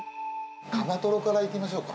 カマトロからいきましょうか。